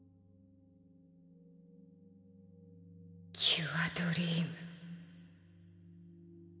キュアドリーム。